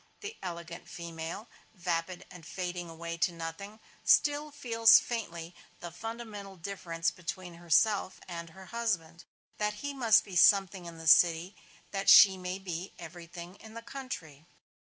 The elegant female, vapid and fading away to nothing, still feels faintly the fundamental difference between herself and her husband: that he must be Something in the City, that she may be everything in the country.